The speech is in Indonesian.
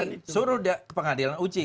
jadi suruh ke pengadilan uji